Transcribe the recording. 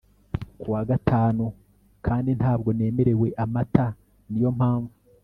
ku wa gatanu kandi ntabwo nemerewe amata. niyo mpamvu